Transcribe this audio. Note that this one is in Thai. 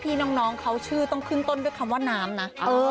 พี่น้องเขาชื่อต้องขึ้นต้นด้วยคำว่าน้ำนะ